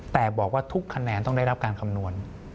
แต่บอกว่าทุกคะแนนต้องได้รับการคำนวณ